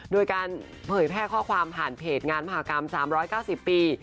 โดยการเผยแพร่ข้อความผ่านเพจงานมหากรรม๓๙๐ปี